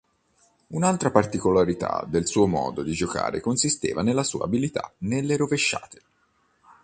Un'altra particolarità del suo modo di giocare consisteva nella sua abilità nelle rovesciate.